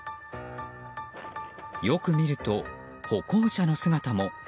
よく見ると、歩行者の姿も。